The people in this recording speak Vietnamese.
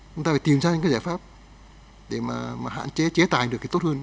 chúng ta phải tìm ra những giải pháp để mà hạn chế chế tài được tốt hơn